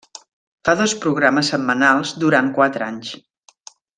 Fa dos programes setmanals durant quatre anys.